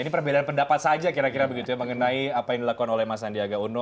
ini perbedaan pendapat saja kira kira begitu ya mengenai apa yang dilakukan oleh mas sandiaga uno